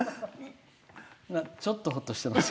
ちょっと、ほっとしてます。